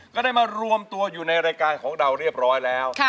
ก็ได้มารวมตัวอยู่ในรายการของเราเรียบร้อยแล้ว